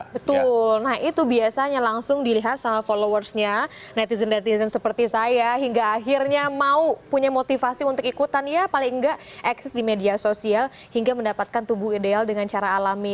betul nah itu biasanya langsung dilihat sama followersnya netizen netizen seperti saya hingga akhirnya mau punya motivasi untuk ikutan ya paling enggak eksis di media sosial hingga mendapatkan tubuh ideal dengan cara alami